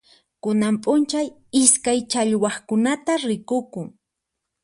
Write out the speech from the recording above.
Kunan p'unchay iskay challwaqkunata rikukun.